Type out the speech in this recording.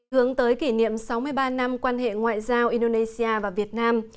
hướng tới kỷ niệm sáu mươi ba năm quan hệ ngoại giao indonesia và việt nam